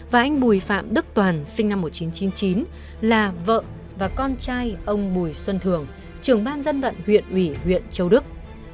và anh bùi phạm đức toàn sinh năm một nghìn chín trăm chín mươi chín là vợ và con trai ông bùi xuân thường trưởng ban dân vận huyện ủy huyện châu đức